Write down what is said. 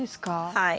はい。